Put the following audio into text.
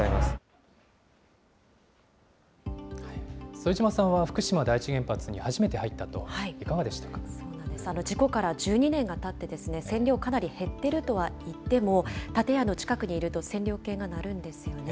副島さんは福島第一原発に初めて入ったと、事故から１２年がたって、線量、かなり減ってるとはいっても、建屋の近くにいると線量計が鳴るんですよね。